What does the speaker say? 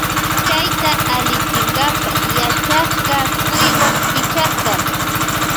Chayta allichinkapa yachakka cuywan picharka.